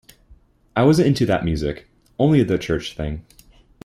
I wasn't into that music, only the church thing.